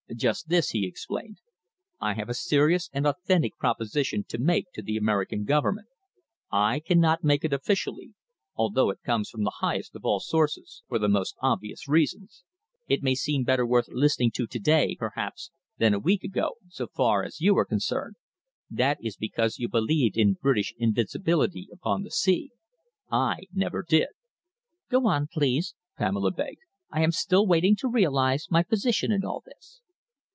"Just this," he explained. "I have a serious and authentic proposition to make to the American Government. I cannot make it officially although it comes from the highest of all sources for the most obvious reasons. It may seem better worth listening to to day, perhaps, than a week ago, so far as you are concerned. That is because you believed in British invincibility upon the sea. I never did." "Go on, please," Pamela begged. "I am still waiting to realise my position in all this."